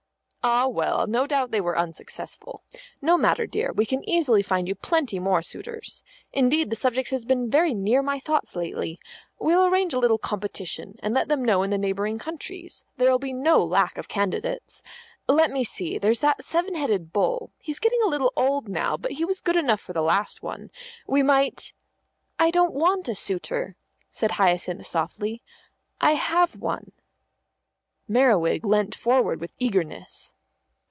"Ah, well, no doubt they were unsuccessful. No matter, dear, we can easily find you plenty more suitors. Indeed, the subject has been very near my thoughts lately. We'll arrange a little competition, and let them know in the neighbouring countries; there'll be no lack of candidates. Let me see, there's that seven headed bull; he's getting a little old now, but he was good enough for the last one. We might " "I don't want a suitor," said Hyacinth softly. "I have one." Merriwig leant forward with eagerness.